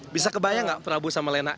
bisa kebayang gak prabu sama lena